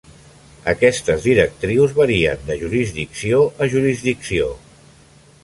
Aquestes directrius varien de jurisdicció a jurisdicció.